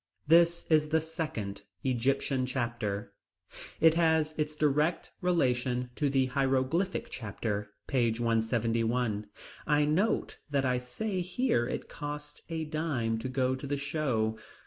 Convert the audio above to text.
This is the second Egyptian chapter. It has its direct relation to the Hieroglyphic chapter, page 171. I note that I say here it costs a dime to go to the show.